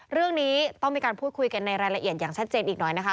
เรื่องนี้ต้องมีการพูดคุยกันในรายละเอียดอย่างชัดเจนอีกหน่อยนะคะ